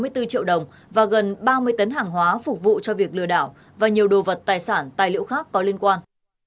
hai mươi bốn triệu đồng và gần ba mươi tấn hàng hóa phục vụ cho việc lừa đảo và nhiều đồ vật tài sản tài liệu khác có liên quan